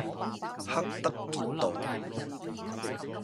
郝德傑道